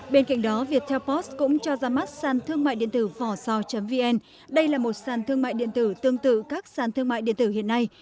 bên cạnh đó viettel post cũng cho ra mắt sàn thương mại điện tử vòsò vn đây là một sàn thương mại điện tử tương tự các sàn thương mại điện tử hiện nay